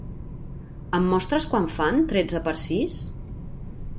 Em mostres quant fan tretze per sis?